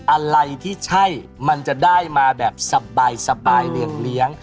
อะไรที่ใช่มันจะได้มาแบบสบายเหลี่ยงเลี้ยง